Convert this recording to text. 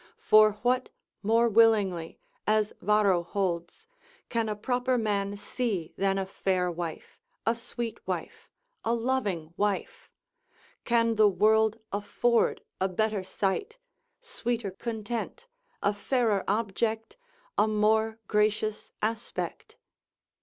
For what more willingly (as Varro holds) can a proper man see than a fair wife, a sweet wife, a loving wife? can the world afford a better sight, sweeter content, a fairer object, a more gracious aspect?